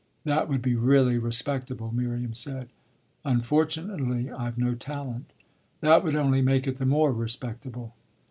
That would be really respectable," Miriam said. "Unfortunately I've no talent." "That would only make it the more respectable."